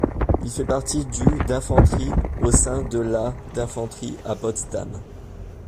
Il fait partie du d'infanterie au sein de la d'infanterie à Potsdam.